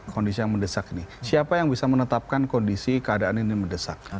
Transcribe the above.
kondisi yang mendesak ini siapa yang bisa menetapkan kondisi keadaan ini mendesak